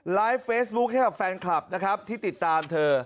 ไลฟ์เฟซบุ๊คให้กับแฟนคลับนะครับที่ติดตามเธอ